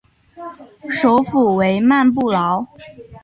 首府为曼布劳。